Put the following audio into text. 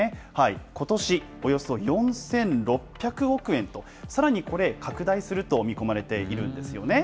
ことしおよそ４６００億円と、さらにこれ、拡大すると見込まれているんですよね。